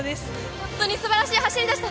本当にすばらしい走りでした。